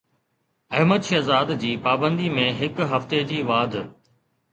احمد شهزاد جي پابندي ۾ هڪ هفتي جي واڌ